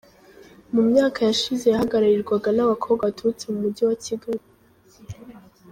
Mu myaka yashize yahagararirwaga n’abakobwa baturutse mu Mujyi wa Kigali.